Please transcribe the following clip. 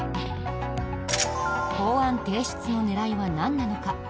法案提出の狙いは、なんなのか。